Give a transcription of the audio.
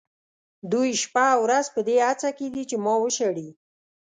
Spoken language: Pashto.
دوی شپه او ورځ په دې هڅه کې دي چې ما وشړي.